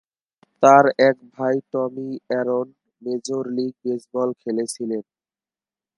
তাঁর এক ভাই, Tommie Aaron, Major League Baseball খেলেছিলেন।